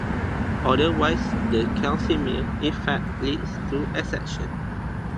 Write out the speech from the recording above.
Otherwise, the Casimir effect leads to exceptions.